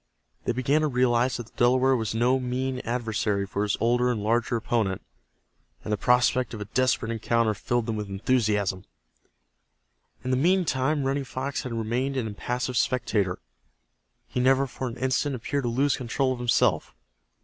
They began to realize that the Delaware was no mean adversary for his older and larger opponent, and the prospect of a desperate encounter filled them with enthusiasm. In the meantime Running Fox had remained an impassive spectator. He never for an instant appeared to lose control of himself.